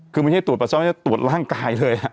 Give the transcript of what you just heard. คือไม่ใช่ตรวจปัสซ่อมไม่ใช่ตรวจร่างกายเลย